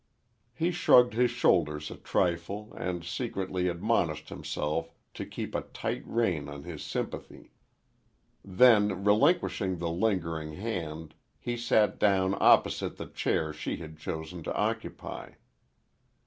He shrugged his shoulders a trifle and secretly admonished himself to keep a tight rein on his sympathy. Then relinquishing the lingering hand, he sat down opposite the chair she had chosen to occupy.